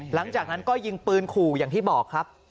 หลังจากนั้นก็ยิงปืนขู่อย่างที่บอกครับ